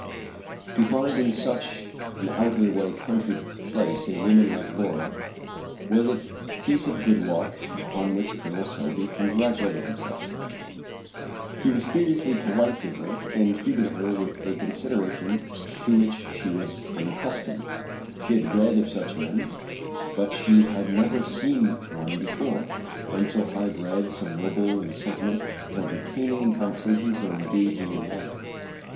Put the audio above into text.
To find in such an out of the way country place a woman like Laura was a piece of good luck upon which Col. Selby congratulated himself. He was studiously polite to her and treated her with a consideration to which she was unaccustomed. She had read of such men, but she had never seen one before, one so high bred, so noble in sentiment, so entertaining in conversation, so engaging in manner.